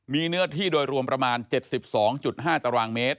มีเนื้อที่โดยรวมประมาณ๗๒๕ตารางเมตร